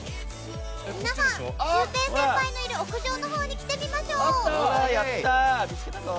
皆さん、シュウペイ先輩のいる屋上のほうに来てみましょう。